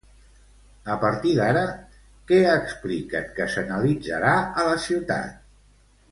A partir d'ara, què expliquen que s'analitzarà a la ciutat?